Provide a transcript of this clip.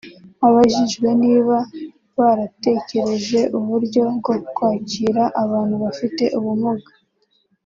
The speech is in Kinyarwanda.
Abajijwe niba baratekereje uburyo bwo kwakira abantu bafite ubumuga